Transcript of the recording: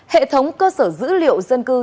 hệ thống cơ sở dữ liệu dân cư